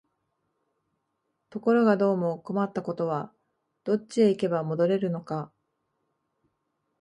ところがどうも困ったことは、どっちへ行けば戻れるのか、